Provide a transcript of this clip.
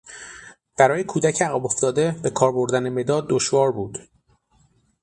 برای کودک عقب افتاده به کار بردن مداد دشوار بود.